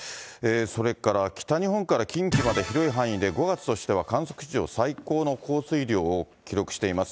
それから、北日本から近畿まで広い範囲で５月としては観測史上最高の降水量を記録しています。